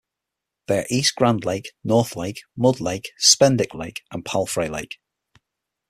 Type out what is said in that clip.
They are East Grand Lake, North Lake, Mud Lake, Spednic Lake, and Palfrey Lake.